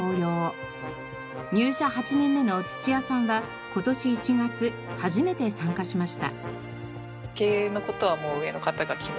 入社８年目の土屋さんは今年１月初めて参加しました。